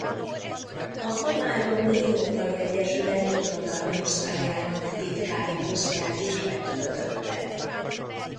A komáromi Jókai Egyesület irodalmi osztályának titkári posztját is betöltötte.